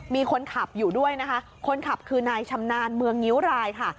มีคนขับอยู่ด้วยนะคะคนขับคือนายชำนาญเมืองงิ้วรายค่ะ